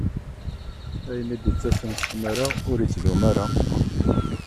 Ayen d-ittasen s tmara, ur ittdum ara.